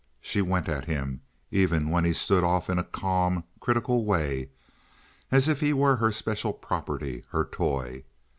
She went at him, even when he stood off in a calm, critical way, as if he were her special property, her toy.